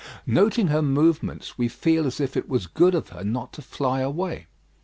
Noting her movements, we feel as if it was good of her not to fly away.